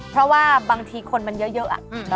เพราะว่าบางทีคนมันเยอะ